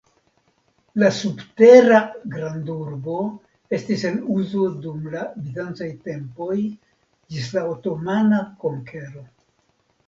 La subtera grandurbo estis en uzo dum la bizancaj tempoj ĝis la otomana konkero.